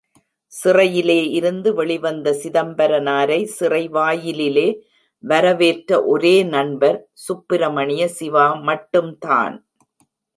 சிறையிலே இருந்து வெளிவந்த சிதம்பரனாரை சிறை வாயிலே வரவேற்ற ஒரே நண்பர் சுப்பிரமணிய சிவா மட்டும்தான்.